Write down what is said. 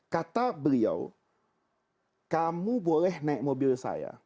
kata beliau kamu boleh naik mobil saya